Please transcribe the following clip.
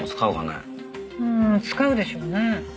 使うでしょうね。